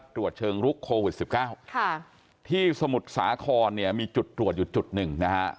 ตรวจเชิงลุกโควิด๑๙ที่สมุทรสาครเนี่ยมีจุดตรวจอยู่จุดหนึ่งนะฮะ